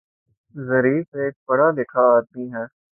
Zarif ایک پڑھا لکھا آدمی ہے